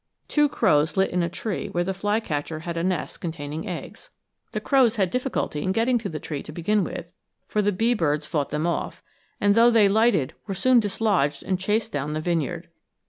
Two crows lit in a tree where the flycatcher had a nest containing eggs. The crows had difficulty in getting to the tree to begin with, for the bee birds fought them off; and though they lighted, were soon dislodged and chased down the vineyard.